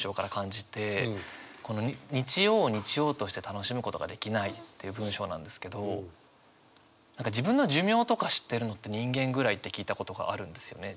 この「日曜を日曜として楽しむ事が出来ない」っていう文章なんですけど何か自分の寿命とか知ってるのって人間ぐらいって聞いたことがあるんですよね。